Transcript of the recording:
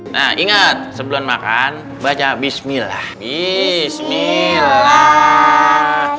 nah ingat sebelum makan baca bismillah ismillah